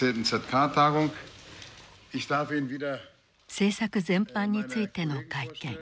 政策全般についての会見。